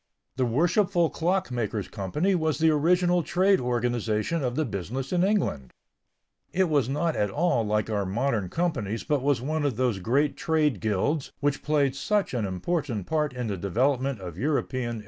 The Worshipful Clock makers' Company was the original trade organization of the business in England. It was not at all like our modern companies but was one of those great trade "guilds" which played such an important part in the development of European industry.